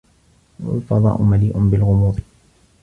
الفضاء مليئ بالغموض.